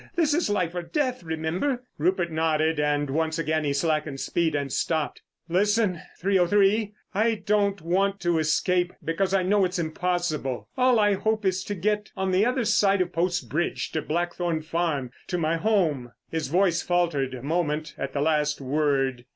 This is life or death, remember." Rupert nodded, and once again he slackened speed and stopped. "Listen, 303. I don't want to escape, because I know it's impossible. All I hope is to get on the other side of Post Bridge to Blackthorn Farm—to my home." His voice faltered a moment at the last word.